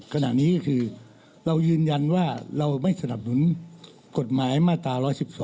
ขณะนี้ก็คือเรายืนยันว่าเราไม่สนับสนุนกฎหมายมาตรา๑๑๒